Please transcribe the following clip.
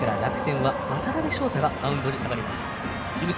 この回から楽天は渡辺翔太がマウンドにあがります。